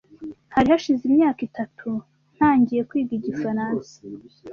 Hari hashize imyaka itatu ntangiye kwiga igifaransa.